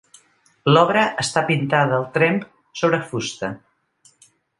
L'obra està pintada al tremp sobre fusta.